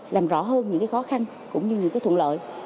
làm rõ hơn những khó khăn cũng như những thuận lợi